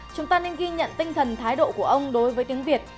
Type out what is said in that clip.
chúng ta nên ghi nhận tinh thần thái độ của ông đối với tiếng việt